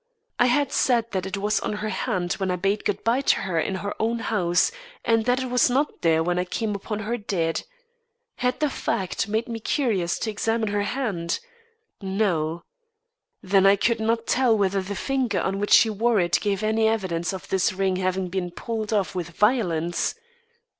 I had said that it was on her hand when I bade good bye to her in her own house, and that it was not there when I came upon her dead. Had the fact made me curious to examine her hand? No. Then I could not tell whether the finger on which she wore it gave any evidence of this ring having been pulled off with violence?